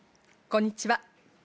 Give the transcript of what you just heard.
こんにちは。